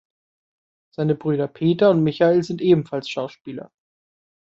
Seine Brüder Peter und Michael sind ebenfalls Schauspieler.